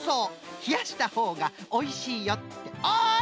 ひやしたほうがおいしいよっておい！